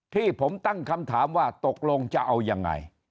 ที่ผมตั้งคำถามว่าตกลงจะเอายังไง